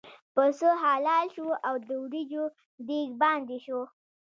پسه حلال شو او د وریجو دېګ باندې شو.